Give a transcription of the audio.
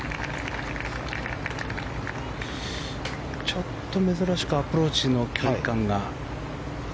ちょっと珍しくアプローチの距離感が。